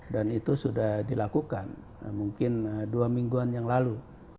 dan itu sudah dilakukan mungkin dua mingguan yang lalu